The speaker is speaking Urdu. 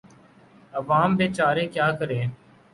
عوام بیچارے کیا کریں۔